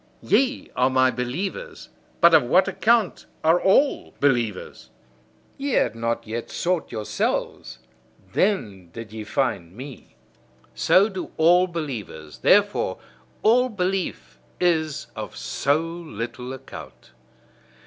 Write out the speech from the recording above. Ye are my believers: but of what account are all believers! Ye had not yet sought yourselves: then did ye find me. So do all believers; therefore all belief is of so little account.